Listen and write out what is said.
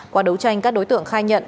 qua đấu tranh các đối tượng khai nhận